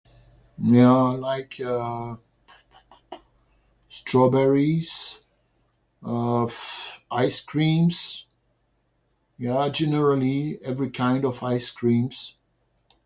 May I like strawberries, ice creams [unintelligible] generally every kind of ice creams.